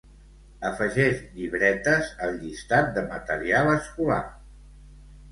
Afegeix llibretes al llistat de material escolar.